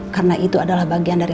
karena itu adalah bagian dari